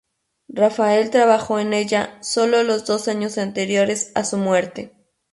Rafael trabajó en ella sólo los dos años anteriores a su muerte.